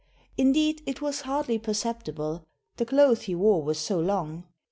Indeed it was hardly perceptible, the clothes he wore were so long....